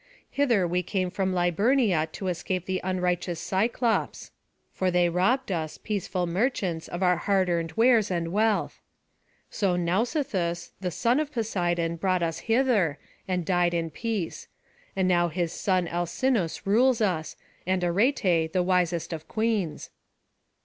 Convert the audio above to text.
Hither we came from Liburnia to escape the unrighteous Cyclopes; for they robbed us, peaceful merchants, of our hard earned wares and wealth. So Nausithous, the son of Poseidon, brought us hither, and died in peace; and now his son Alcinous rules us, and Arete the wisest of queens."